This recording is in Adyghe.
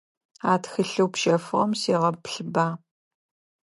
А тхылъэу пщэфыгъэм сегъэплъыба.